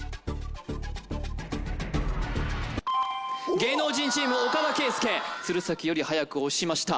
芸能人チーム・岡田圭右鶴崎よりはやく押しました